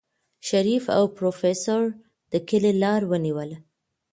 شريف او پروفيسر د کلي لار ونيوله.